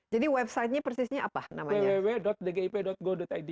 jadi website nya persisnya apa namanya